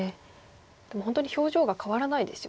でも本当に表情が変わらないですよね。